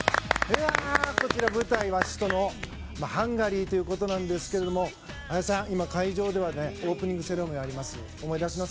こちら舞台はハンガリーということなんですけれども会場では、オープニングセレモニーがあります。